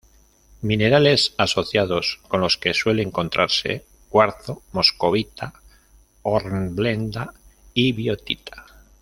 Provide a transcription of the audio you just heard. Minerales asociados con los que suele encontrarse: cuarzo, moscovita, hornblenda y biotita.